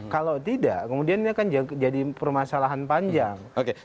kalau tidak kemudian ini akan jadi permasalahan panjang